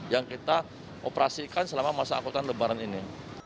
yang kita operasikan selama masa angkutan lebaran ini